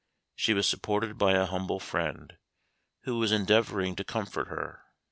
She was supported by a humble friend, who was endeavoring to comfort her.